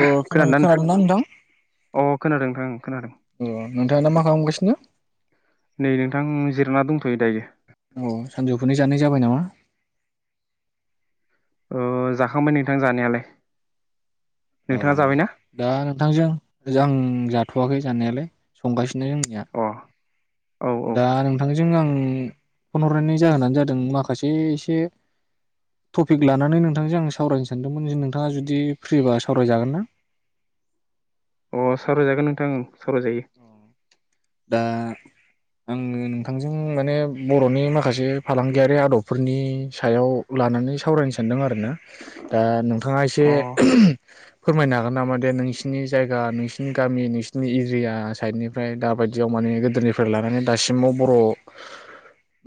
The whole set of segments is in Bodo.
अ खोनादोंना नोंथां खोना-खोनादोंना नोंथां अ खोनादों नोंथां खोनादों अ नोंथाङा दा मा खालामगासिनो आं जिरायना दंथ'यो दायो औ सानजौफुनि जानाय जाबाय नामा? अ जाखांबाय नोंथां जानायालाय औ नोंथाङा जाबायना दा नोंथांजों जां जाथ थ'वाखै जानायालाय संगासि इनो जोंनिया अ औ औ दा नोंथांजों आं फन हरनायनि जाहोनानो जादों माखासे एसे तपिक लानानै नोंथांजों आं सावरायनो सानदोंमोन नोंथाङा जुदि फ्रिबा सावरायजागोन ना? अ सारावजागोन नोंथां औ सावरायजायो दा आङो नोंथांजों माने बर'नि माखासे फालांगियारि आदबफोरनि सायाव लानानै सावरायनो सानदों आरो ना दा नोंथाङा एसे अ फोरमायनो हागोन नामा दे नोंसिनि जायगा नोंसिनि गामि नोंसोरनि एरिया साइडनिफ्राय दा बायद दियाव माने गोदोनिफ्राय लानानै दासिमाव बर'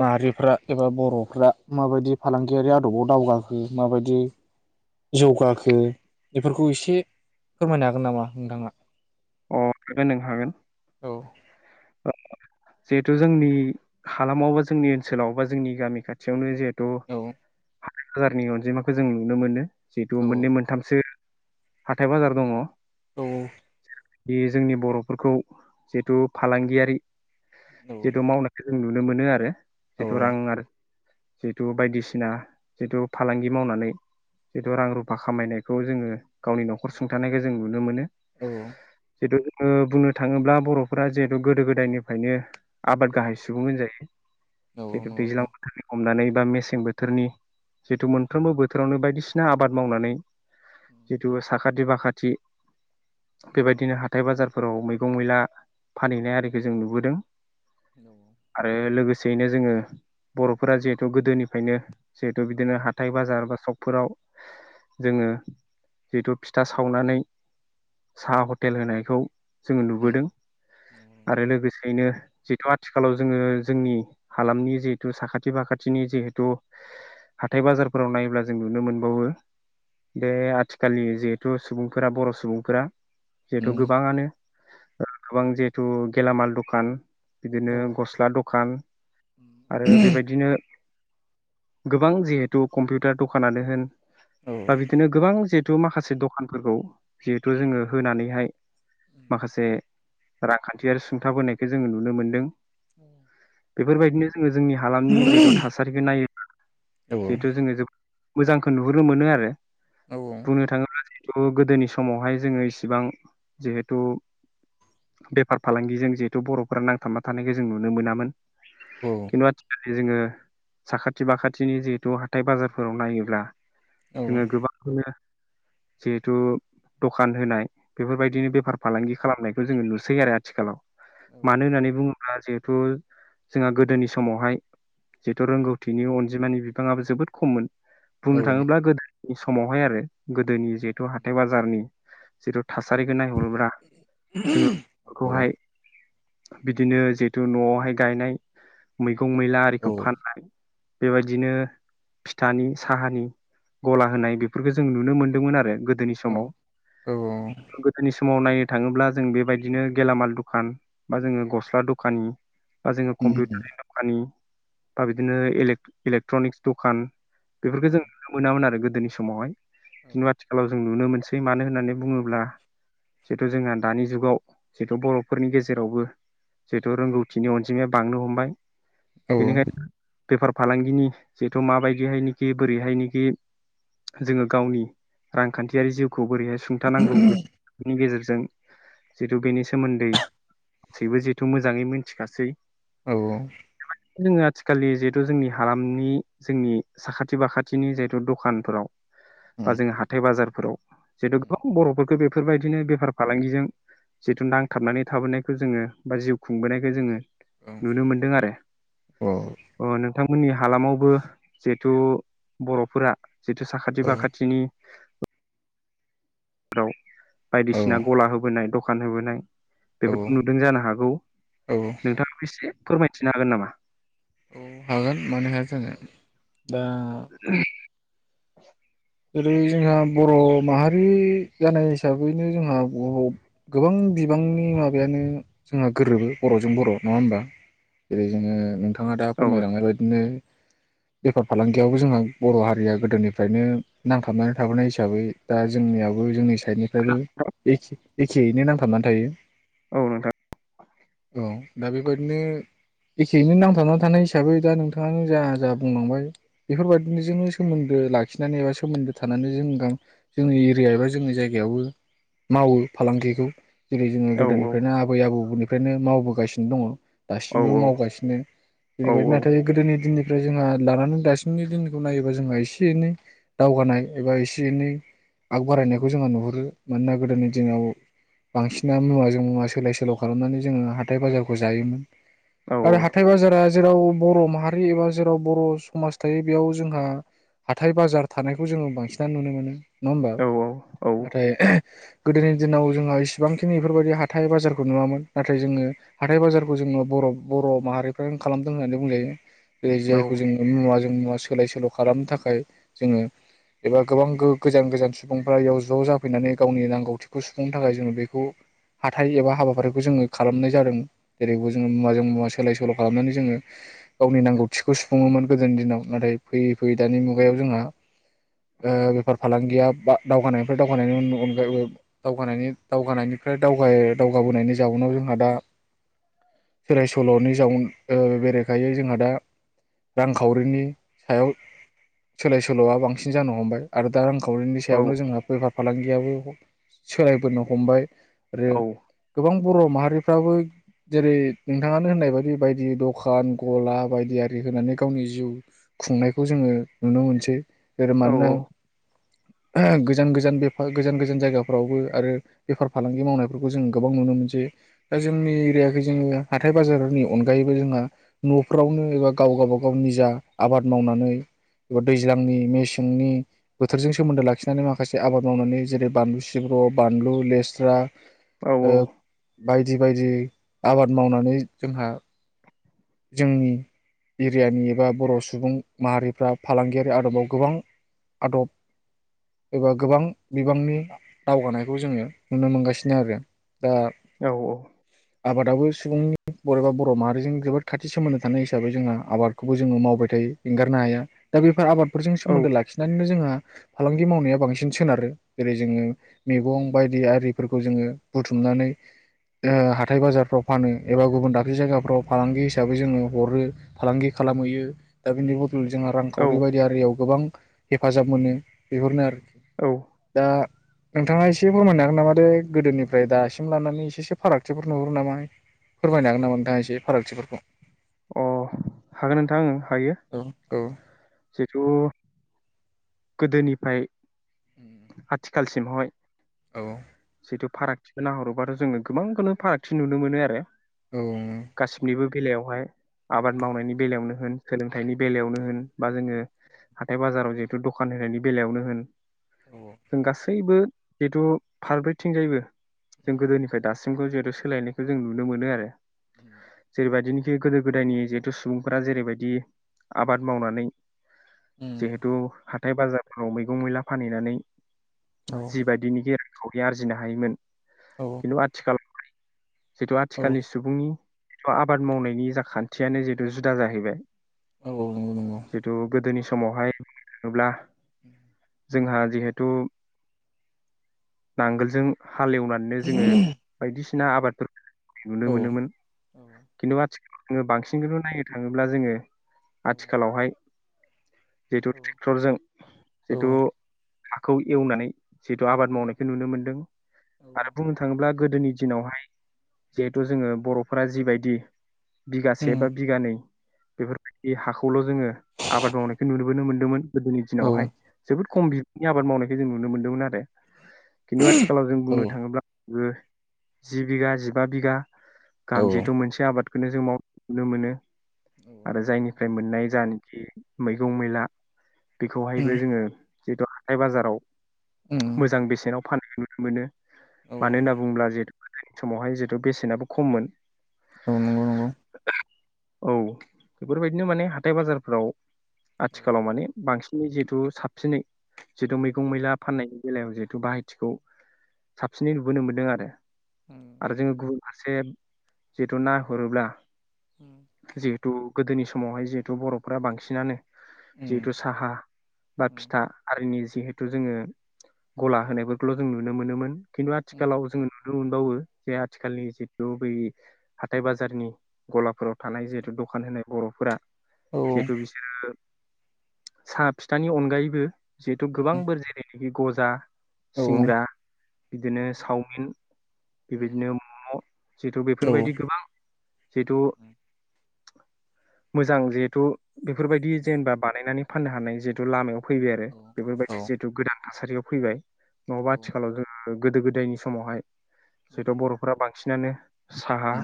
माहारिफ्रा एबा बर'फ्रा माबायदि फालांगियारि आदबाव दावगाखो माबायदि जौगाखो बेफोरखौ एसे फोरमायनो हागोन नामा नोंथाङा [inaudible] नों हागोन औ जिहेतु जोंनि हालामाव बा जोंनि ओनसोलाव बा जोंनि गामि खाथियावनो जिहेत तु औ हाजारनि अनजिमाखौ जों नुनो मोनो जितु औ मोननै मोनथामसो हाथाय बाजार दङ' औ बेयो जोंनि बर'फोरखौ जिथु फालांगियारि जिथु मावनायखो जों नु नो मोनो आरो औ जिथु रां आर जितु बायदिसिना जितु फालांगि मावनानै जिथु रां रुफा खामायनायखौ जोङो गावनि नखर सुंथानायखो जों नुनो मोनो औ जितु ओ बुंनो थाङोब्ला बर'फोरा जिहेतु गोदो गोदायनिफायनो आबाद गाहाय सुबुं होनजायो नंगौ जितु नंगौ औ दैज्लां बोथोरनि हमनानै मेसें बोथोरनि जिथु मोनफ्रोमबो बो फोरावनो बायदिसना आबाद मावनानै जिथु सा खाथि बाखाथि बेबायदिनो हा थाय बाजारफोराव मैगं मैला फानहैनाय आरिखो जों नुबोदों। औ आरो लोगोसे यैनो जोङो बर'फोरा जिहेथु गोदोनिफायनो जिहेतु बिदिनो हाथाय बाजार बा सकफोराव जोङो जिथु फिथा सावनानै साहा हटेल होनाय खौ जोङो नुबोदों आरो लोगोसेयैनो जितु आथिखालाव जोङो जोंनि हालामनि जिहेतु साखाथि फाखाथिनि जिहेथु हाथाय बाजारफोराव नायोब्ला जों नुनो मोनबावो बे आथिखालनि जिहेतु सुबुंफोरा बर' सुबुंफोरा थ' गोबाङानो गोबां जिहेथु गेलामाल दखान बिदिनो गस्ला दखान आरो बेबायदिनो गोबां जिहेथु कम्पिउटार दखानानो होन बा बिदिनो गोबां जे तु माखासे दखानफोरखौ जिहेथु जोङो होनानैहाय माखासे रांखान्थियारि सुंथाबोनायखौ जोङो नुनो मोनदों। ओम फोरबायदिनो जोङो जोंनि हालामनि जिहेथु थासारिखौ नायोब्ला औ जिहेथु जोङो जोबोद मोजांखो नुहुरनो मोनो आरो। औ औ बुंनो थाङोब्ला थ' गोदोनि समावहाय जोङो इसिबां जिहेथु बेफार फालांगिजों जिहेथु बर'फोरा नांथाबना थानायखौ जों नुनो मोनामोन। औ खिन्थु आथिखालि जोङो साखाथि बाखाथिनि जिहेथु हाथाय बाजारफोराव नायोब्ला जोङो गोबांखौनो जिहेथु दखान होनाय बेफोरबायदि नो बेफार फालांगि खालामनायखौ जोङो नुसैयो आरो आथिखालाव। मानो होननानै बुङो जिहेथु जोंहा गोदोनि समावहाय जिहेतु रोंगौथिनि अनजिमानि बिफाङाबो जोबोद खममोन। बुंनो थाङोब्ला गोदो समावहाय आरो गोदोनि जिहेथु हाथाय बाजारनि जिथु था सारिखौ नायहरोबा जोङो बेखौहाय बिदिनो जिहेतु न'आवहाय गायनाय मैगं खौ मैला औ आरिखौ फाननाय बेबायदिनो फिथानि साहानि गला होनाय बेफोरखौ जों नुनो मोनदोंमोन आरो गोदोनि औ समाव। औ गोदोनि समाव नायनो थाङोब्ला जों बेबायदिनो गेलामाल दखान बा जोङो गस्ला दखानि बा जोङो उम कम्पिउटारनि दखानि बा बिदिनो इलेक्ट्रनिक्स दखान औ बेफोरखौ जों नुनो मोनामोन आरो गोदोनि समावहाय औ खिन्थु आथिखालाव जों नुनो मोनसै मानो होननानै बुङो अब्ला जितु जोंहा दानि जुगाव जिथु बर'फोरनि गेजेरावबो जिहेथु रोंगौथिनि अनजिमाया बांनो हमबाय। औ बेनिखायनो बेफार फालांगिनि जिहेथु माबायदिहायनोखि बोरैहायनोखि जोङो गावनि रांखान्थियारि जिउखौ बोरैहाय [unintelligible] नि गेजेरजों जिहेथु बेनि सोमोन्दै गासैबो जिहेथु मोजाङै मिथिखासै। औ वौ। जोङो आथिखालनि जिहेथु जोंनि हालामनि जोंनि साखाथि फाखाथिनि जिहेथु दखानफोराव बा जोङो हाथाइ बाजारफोराव जिहेथु गोबां बर'फोरखौ बेफोरबायदिनो बेफार फालांगिजों जिथु नांथाबनानै थाबोनायखौ जोङो बा जिउ खुंबोनायखौ जोङो नुनो मोनदों आरो अ नोंथां मोननि हालामावबो जिहेथु बर'फोरा जिहेथु साखाथि फाखाथिनि [unintelligible] बायदिसिना गला होबोनाय द दखान होबोनाय औ बेफोरखौ नुदों जानो हागौ औ नोंथाङाबो एसे फोरमायथिनो हागोन नामा? औ हागोन मानो हाया जानो दा जेरै जोंहा बर' माहारि जानाय हिसाबैनो जोंहा बर' गोबां बिबांनि माबायानो जोंहा गोरोबो बर'जों बर' नङा होमबा जेरै जोङो नोंथां थाङा दा औ फोरमायलांनाय बायदिनो बेफार फालांगियावबो जोंहा बर' हारिया गोदोनिफ्रायनो नांथाबनानै थाबोनाय हिसाबै दा जोंनियावबो जोंनि साइडनिफ्रायबो एखे-एखेयैनो नांथाबनानै थायो। औ नोंथां औ दा बेबायदिनो एखेयैनो नांथाबना थानाय हिसाबै दा नोंथाङानो जा जा बुंलांबाय बेफोरबायदिजोंनो सोमोन्दो लाखिनानै एबा सोमोन्दो थानानै जों गा जोंनि एरिया एबा जोंनि जायगायावबो मावो फालांगिखौ। जेरै जोङो औ गोदोनिफ्रायनो आबै आबौनि फ्रायनो मावबोगासिनो दङ'। औ दासिमबो मावगासिनो औ बेैबायदि नाथाय गोदोनि दिननि ओमफ्राय जोंहा लानानै दासिमनि दिनखौ नायोबा जोंहा एसे एनै दावगानाय एबा एसे एनै आग बारायनायखौ जोंहा नुहुरो। मानोना गोदोनि दिनाव बांसिना मुवाजों मुवा सोलाय सोल' खालामनानै जोङो हाथाइ बाजारखौ जायोमोन। औ आरो हाथाइ बाजारा जेराव बर' माहारि एबा जेराव बर' समाज थायो बेयाव जोंहा हाथाइ बाजार थानायखौ जोङो बांसिनानो नुनो मोनो। नङा होमबा? औ औ नाथाय गोदोनि दिनाव जोंहा इसिबांखिनि बेफोरबायदि हाथाइ बाजारखौ नुवामोन नाथाय जोङो हाथाइ बाजारखौ जोङो बर' बर' माहारिफ्रानो जों खालामदों होननानै बुंजायो। बे जायखौ जों मुवा जों मुवा सोलाय सोल' खालामनो थाखाय जोङो एबा गोबां गोजान गोजान सुबुंफ्रा बेयाव ज' जाफैनानै गावनि नांगौथिखौ सुफुंनो थाखाय जोङो बेखौ हाथाइ एबा हाबाफारिखौ जोङो खालामनाय जादों जेरैबो जोङो मुवाजों मुवा सोलाय सोल' खालामनानै जोङो गावनि नांगौथिखौ सुफुङोमोन गोदोनि दिनाव नाथाय फैयै फैयै दानि मुगायाव जोंहा ओ बेफार फालांगिया बा दावगानायनिफ्राय दावगानायनि अनगायै दावगानायनि दावगानायनिफ्राय दावगाबोनायनि जाउनाव जोंहा दा सोलाय सोल'नि जाउन ओ बेरेखायै जोंहा दा रांखावरिनि सायाव सोलाय सो ल'आ बांसिन जानो हमबाय आरो दा रां खावरिनि औ सायावनो जोंहा बेफार फालांगियाबो सोलायबोनो हमबाय आरो औ गोबां बर' माहारिफ्राबो जेरै नोंथाङानो होननाय बायदि बायदि दखान गला बायदि आरि होनानै गावनि जिउ खुंनायखौ जोङो नुनो मोनसै। जेरै औ मानोना गोजान गोजान बेफा गोजान गोजान जायगाफ्रावबो आरो बेफार फालांगि मावनायफोरखौ जों गोबां नुनो मोनसै। दा जोंनि एरियाखौै जोङो हाथाय बाजारनि अनगायैबो जोंहा न'फ्रावनो एबा गाव गावबा गाव निजा आबाद मावनानै एबा दै ज्लांनि मेसेंनि बोथोरजों सोमोन्दो लाखिनानै माखासे आबाद मावनानै जेरै बानलु सिब्र', बानलु, लेस्रा औ ओ बाय दि बायदि आबाद मावनानै जोंहा जोंनि एरियानि एबा बर' सुबुं माहारिफ्रा फालांगियाव बे आदबाव गोबां आदब एबा गोबां बिबांनि दावगानायखौ जोङो नुनो मोनगासिनो आरो दा आबादाबो सुबुंनि बोरैबा बर' माहारिजों जोबोद खाथि सोमोन्दो थानाय हिसाबै जोंहा आबादखौबो जोङो मावबाय थायो एंगारनो हाया दा बे आबाद फोरजों औ सोमोनदो लाखिनानै नो जोंहा फालांगि मावनाया बांसिन सोनारो। जेरै जोङो मेगं बायदि आरिफोरखौ जोङो बुथुमनानै ओ हाथाय बाजारफ्राव फानो एबा गुबुन दाबसे जायगाफ्राव फालांगि हिसाबै जोङो हरो फालांगि खालामहैयो दा बिनि बदल जोंहा रां औ खावरि औ बायदि आरियाव गोबां हेफाजाब मोनो बेफोरनो आरो औ दा नोंथाङा एसे फोरमायनो हागोन नामा दे गोदोनिफ्राय दासिम लानानै एसे एसे फारागथिफोर नुहरो नामा फोरमायनो हागोन नामा नोंथाङा एसे फारागथिफोरखौ। अ हागोन नोंथां ओं हायो। औ औ जेथ' गोदोनिफ्राय आथिखालसि एमह हाय औ जिथु फाराग थिखोनाहरोबाथ' जोङो गोबांखौनो फारागथि नुनो मोनो आरो औ गासिनिबो बेलायावहाय आबाद मावनायनि बेलायावनो होन सोलोंथाइनि बेलायावनो होना बा जोंङो हाथाय बाजाराव जे दखान होनायनि बेलायावनो होन जों गासैबो जेहेथु फारब्रैथिंजायैबो जों गोदोनिफ्राय दासि जोंखौ जेहेथु सोलायनायखौ जों नुनो मोनो आरो। [inaudible] बेबायदिनोखि गोदो गोदायनि जेहेतु सुबुंफोरा जेरैबायदि आबाद मावनानै जेहेतु हाथाय बाजारफोराव मैगं मैला फानहैनानै औ जिबायदिनि गेर खावरि आरजिनो हायोमोन औ खिन्थु आथिखाल जितु औ आथिखालनि नंगौ सुबुंनि आबाद मावनायनि जा खान्थियानो जिहेतु जुदा जाहैबाय। नंगौ औ औ जेहेथु गोदोनि समावहाय थाङोब्ला [inaudible] जोंहा जिहेथु नांगोलजों हालेवनानै जोङो बायदिसिन ना आबादफोर औ नुनो मोनोमोन खिन्थु आथिखाल जोङो बांसिनखौनो नायनो थाङोब्ला जोङो आथिखालावहाय जिहेथु ट्रेक्टरजों जिथु हाखौ एवनानै जिहतु आबाद मावनायखौ नुनो मोनदों आरो बुंनो थाङोब्ला गोदोनि दिनावहाय जेहेथु जोङो बर'फोरा जिबायदि बिगासे बा बिगानै बेफोरबायदि हाखौल' जोङो आबाद मावनायखो नुनोबोनो मोन दोमोन। गोदोनि दिनावहाय जोबोद खम बिबांनि आबाद मावनायखो जों नुनो मोन्दोंमोन आरो। खिन्थु आथिखालाव जों बुंनो थाङोब्ला जि बिगा जिबा बिगा गाम जिथ' औ मोनसे आबाद खौनो जों माव नुनो मोनो आरो जायनिफ्राय मोननाय जा मैगं मैला बेखौहायबो जोङो जिहेथु हाथाइ बाजाराव औ मोजां बेसेनाव फाननायखौ नुनो मोनो मानो होनना औ बुङोब्ला जिहेथु गोदोनि समावहाय जिहेतु बेसेनाबो खममोन औ नंगौ औ बेफोरबायदिनो माने हाथाय बाजारफ्राव आथिखालाव माने बांसिन जिहेतु साबसिनै जिथु मैगं मैला फाननाय बेलायाव जिहेथु बाहायथिखौ साबसिनै नुबोनो मोनदों आरो आरो जोंङो गुबुन से जिथु नाहरोब्ला उम। थु गोदोनि समावहाय जिहेतु बर'फ्रा बांसिनानो जिहेथु साहा बा फिथा नंगौ आरिनि जिहेथु जोङो गला होनायफोरखौल' जों नुनो मोनोमोन। खिन्थु आथिखालाव जोङो नु नो मोनबावो जे आथिखालनि जितु बै हाथाइ बाजारनि गलाफोराव थानाय जिहेतु दखान होनाय बर'फोरा औ जिहेथु बिसोरो साहा फिथानि अनगायैबो जिहेतु गोबां बोर [unintelligible] रै गजा औ सिंग्रा बिदिनो चावमिन बेबायदिनो मम' जिहेथु बेफोरबायदि गोबां जिहेथु मोजां जिहेथु बेफोरबायदि जेनेबा बानायनानै फाननो हानाय जिहेथु लामायाव फैबाय आरो बेफोरबायदि जिहेथु गोदान थासारियाव फैबाय। नङाबा आथिखालाव जोंहा ओ गोदो गोदायनि समावहाय सैथ' बर'फोरा बां सिनानो साहा,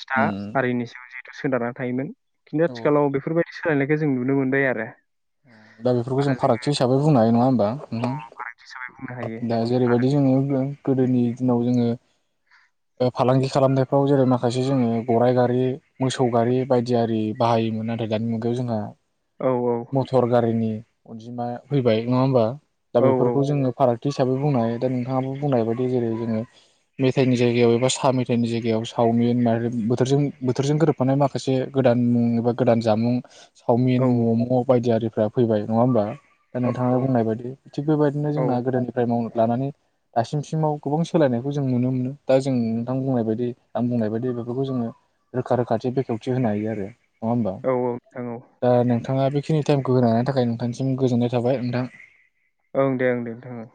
फिथा आरिनि सायाव जे सोनारना थायोमोन। खिन्थु आथिखालाव बेफोर बाय सोलायनाय खौ जों नुनो मोनबाय आरो। औ दा बेफोरखौ आरो जों जोङो फारागथि हिसाबै बुंनो हायो नङा होनबा। फारागथि हिसाबै बुंनो हायो ओम दा जेरैबायदि आरो जोङो गोदोनि दिनाव जोङो ओ फालांगि खालामनायफ्राव जेरै माखासे जोङो गराइ गारि मोसौ गारि बायदि आरि बाहायोमोन नाथाय दानि मुगायाव जोंहा औ मटर गारिनि अनजिमाया फैबाय नङा होमबा दा औ बेफोरखौ जोङो फाराग थि हिसाबै बुंनो हायो। दा नोंथाङाबो बुंनाय बायदि जेरै जोङो मेथाइनि जायगायाव एबा साहा मेथाइनि जायगायाव सावमिन ओम बोथोरजों बोथोरजों गोरोबफानाय माखासे गोदान मुं एबा गोदान जामुं औ चावमिन म'म बायदि आरिफ्रा फैबाय नङा होनबा। दा औ नोंथाङा बुंनाय बायदि। थिग बेबायदिनो जोंना गोदोनिफ्राय मावनो लानानै दासिमसिमाव गोबां सोलायनायखौ जों नुनो मोनो। दा जों नोंथां बुंनाय बायदि आं बुंनाय बायदि बेफोरखौ जोङो रोखा रोखाथि बेखेवथि होनो हायो आरो। नङा होमबा। औ नोंथां औ दा नोंथां थाङाबो खिनि टाइमखौ होनो हानायनि थाखाय नोंथांनिसिम गोजोननाय थाबाय नोंथां। ओं दे ओं दे नोंथां ओं